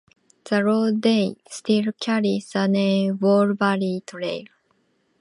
The roadway still carries the name "Bow Valley Trail".